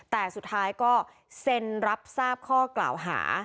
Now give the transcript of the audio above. แต่สุดท้ายก็เซ็นรับทราบข้อกล่าวหา